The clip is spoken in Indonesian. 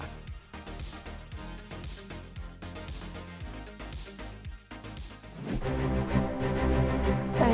selamat mengalami kak wilda